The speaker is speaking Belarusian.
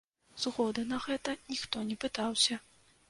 Згоды на гэта ніхто не пытаўся.